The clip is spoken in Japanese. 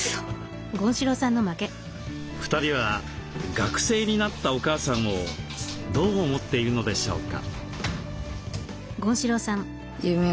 ２人は「学生」になったお母さんをどう思っているのでしょうか？